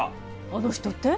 あの人って？